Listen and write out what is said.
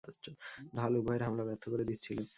ঢাল উভয়ের হামলা ব্যর্থ করে দিচ্ছিল।